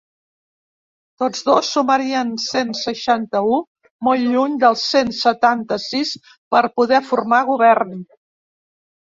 Tots dos sumarien cent seixanta-u, molt lluny dels cent setanta-sis per poder formar govern.